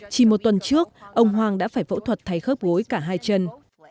chỉ một tuần trước ông hoàng đã phải phẫu thuật thay khớp gối cả hai chân